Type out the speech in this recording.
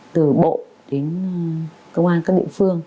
từ bộ đến công an các địa phương